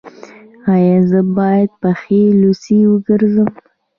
ایا زه باید پښې لوڅې وګرځم؟